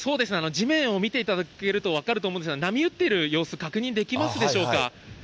地面を見ていただけると分かると思うんですが、波打ってる様子、確認できますでしょうか。